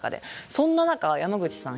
そんな中山口さん